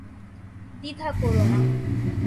দ্বিধা কোরো না।